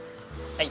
「はい！